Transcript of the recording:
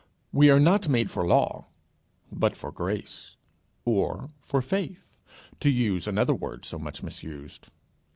We are not made for law, but for grace or for faith, to use another word so much misused.